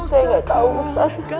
saya gak tahu ustaz